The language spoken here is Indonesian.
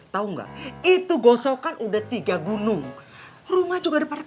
tahu nggak itu gosokan udah tiga gunung rumah